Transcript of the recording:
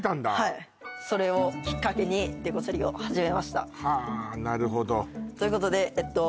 いそれをきっかけにデコチャリを始めましたはあなるほどということでえっと